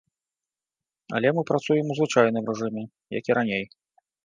Але мы працуем у звычайным рэжыме, як і раней.